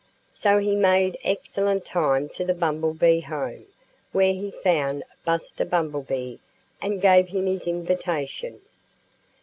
So he made excellent time to the Bumblebee home, where he found Buster Bumblebee and gave him his invitation.